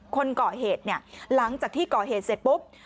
คนก่อเหตุเนี่ยหลังจากที่ก่อเหตุเสร็จปุ๊บ